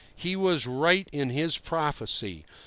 He was right in his prophecy.